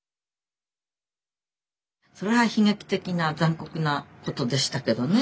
それは悲劇的な残酷なことでしたけどね。